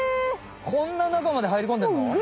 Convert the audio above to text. こんな中まで入りこんでんの？